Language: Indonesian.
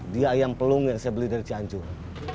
dia ayam pelung yang saya beli dari cianjur